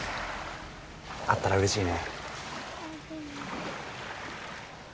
あったらうれしいね。